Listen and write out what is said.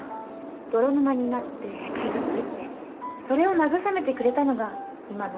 泥沼になって傷ついてそれを慰めてくれたのが今の主人なんです。